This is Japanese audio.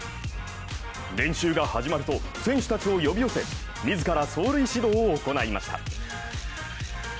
練習が始まると選手たちを呼び寄せ自ら走塁指導を行いました。